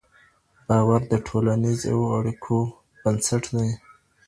باور د ټولنيزو اړيکو بنسټ دی.